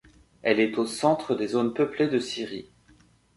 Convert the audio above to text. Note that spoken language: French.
Elle est au centre des zones peuplées de Syrie.